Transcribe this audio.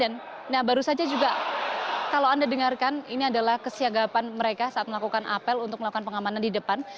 nah baru saja juga kalau anda dengarkan ini adalah kesiagapan mereka saat melakukan apel untuk melakukan pengamanan di depan